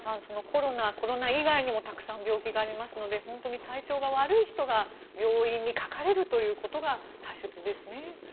コロナ、コロナ以外にもたくさん病気がありますので本当に体調が悪い人が病院にかかれるということが大切ですね。